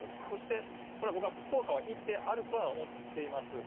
そして、これは僕は効果は一定あるとは思っています。